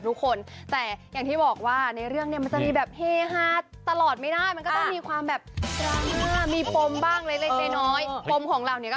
เป็นการฆ่าแรกของกองถ่าย